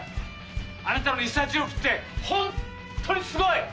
あなたのリサーチ力ってホントにすごい！